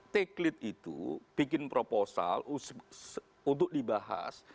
take lead itu bikin proposal untuk dibahas